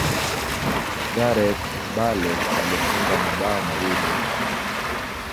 gareth bale alifunga mabao mawili